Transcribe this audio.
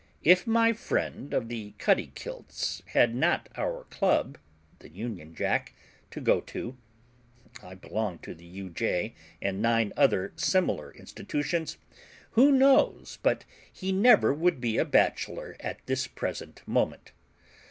If my friend of the Cuttykilts had not our club, the 'Union Jack,' to go to (I belong to the 'U.J. and nine other similar institutions), who knows but he never would be a bachelor at this present moment?